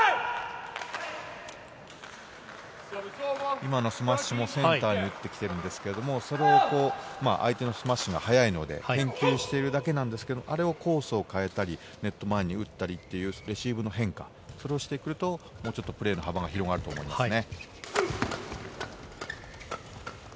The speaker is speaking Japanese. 今のスマッシュもセンターに打ってきているんですが、それを相手のスマッシュが速いので研究しているだけなんですけど、コースを変えたり、ネット前に打ったり、レシーブの変化、それをしてくると、もうちょっとプレーの幅が広がると思いますね。